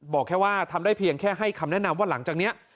บอกแค่ว่าทำได้เพียงแค่ให้คำแนะนำว่าหลังจากนี้